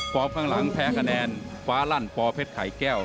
ฟอร์มข้างหลังแพ้คะแนนฟ้ารั่นปอร์เพศไข่แก้ว